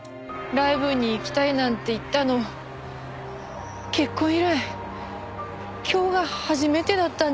ライブに行きたいなんて言ったの結婚以来今日が初めてだったんです。